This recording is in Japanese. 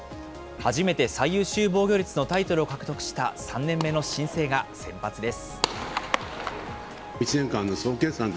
初めて最優秀防御率のタイトルを獲得した３年目の新星が先発です。